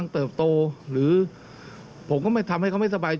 ตัวตนผมอยู่ที่ท่านนายก